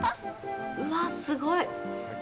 うわあ、すごい。